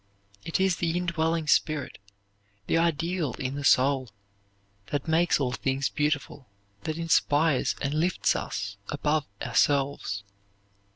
It is the indwelling spirit, the ideal in the soul, that makes all things beautiful; that inspires and lifts us above ourselves.